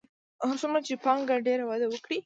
هر څومره چې پانګه ډېره وده وکړي